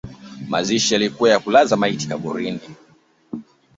Mazishi yalikuwa ya kulaza maiti kaburini